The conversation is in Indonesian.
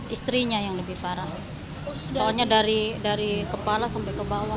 istrinya yang lebih parah soalnya dari dari kepala sampai ke bawah